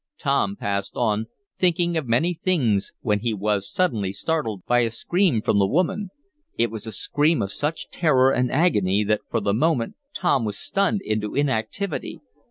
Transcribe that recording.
Tom passed on, thinking of many things, when he was suddenly startled by a scream from the woman. It was a scream of such terror and agony that, for the moment, Tom was stunned into inactivity.